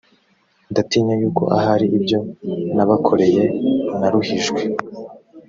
ndatinya yuko ahari ibyo nabakoreye naruhijwe